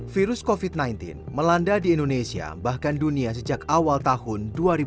virus covid sembilan belas melanda di indonesia bahkan dunia sejak awal tahun dua ribu dua puluh